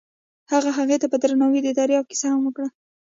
هغه هغې ته په درناوي د دریاب کیسه هم وکړه.